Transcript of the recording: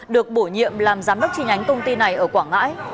được bổ nhiệm làm giám đốc tri nhánh công ty này ở quảng ngãi